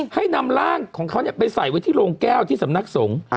ให้นำร่างของเขาไปใส่ไว้ที่โรงแก้วที่สำนักสงฆ์